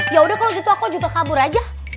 ya udah kalau gitu aku juga kabur aja